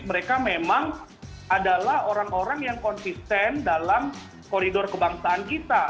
mereka memang adalah orang orang yang konsisten dalam koridor kebangsaan kita